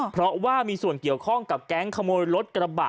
เพราะว่ามีส่วนเกี่ยวข้องกับแก๊งขโมยรถกระบะ